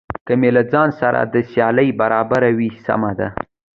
که مې له ځان سره د سیالۍ برابر وي سمه ده.